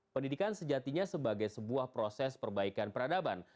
pendidikan sejatinya sebagai sebuah proses perbaikan peradaban